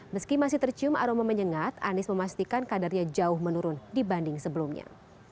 meski masih tercium aroma menyengat anies memastikan kadarnya jauh menurun dibanding sebelumnya